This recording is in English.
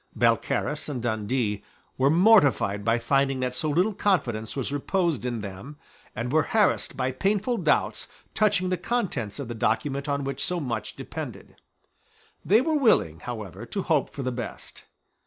Balcarras and Dundee were mortified by finding that so little confidence was reposed in them, and were harassed by painful doubts touching the contents of the document on which so much depended. They were willing, however, to hope for the best.